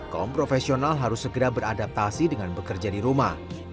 kaum profesional harus segera beradaptasi dengan bekerja di rumah